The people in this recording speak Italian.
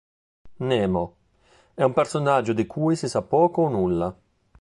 Nemo: è un personaggio di cui si sa poco o nulla.